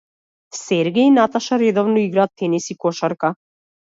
Сергеј и Наташа редовно играат тенис и кошарка.